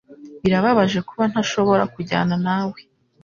Birababaje kuba ntashobora kujyana nawe.